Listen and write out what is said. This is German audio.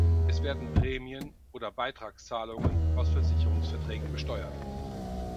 Es werden Prämien- oder Beitragszahlungen aus Versicherungsverträgen besteuert.